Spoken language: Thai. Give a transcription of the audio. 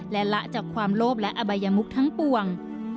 และละจากความโลภและอบายมุกทั้งปวง